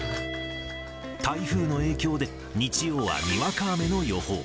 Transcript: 台風の影響で、日曜はにわか雨の予報。